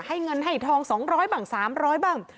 ให้เงินให้ทอง๒๐๐บ้าง๓๐๐บ้าง